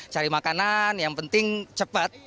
cari makanan yang penting cepat